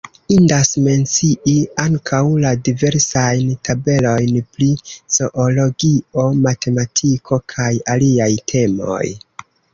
Indas mencii ankaŭ la diversajn tabelojn pri zoologio, matematiko kaj aliaj temoj.